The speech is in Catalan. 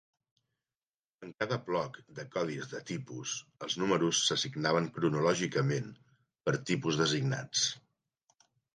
En cada bloc de codis de tipus, els números s'assignaven cronològicament per tipus designats.